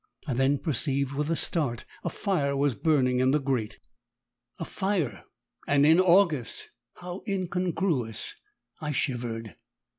I then perceived with a start a fire was burning in the grate. A fire, and in August how incongruous! I shivered.